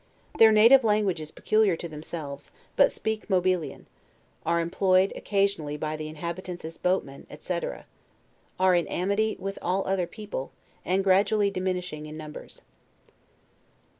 Their native language is peculiar to themselves, but speak Mobilian; are employed, occasionally, by the inhabitants as boatmen, &c. are in amity with all other people, and gradual ly diminishing in numbers.